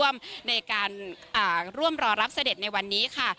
มาร่วมรอรับเสด็จในวันนี้ค่ะ